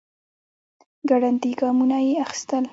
ګړندي ګامونه يې اخيستل.